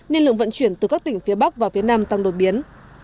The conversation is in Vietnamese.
nên lượng vận chuyển từ các tỉnh phía bắc vào phía nam tăng đột biến